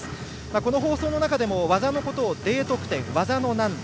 この放送の中でも技のことをＤ得点、技の難度